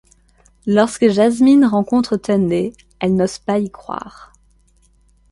Lorsque Jazmin rencontre Tunde, elle n'ose pas y croire.